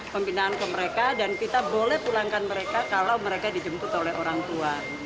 pembinaan ke mereka dan kita boleh pulangkan mereka kalau mereka dijemput oleh orang tua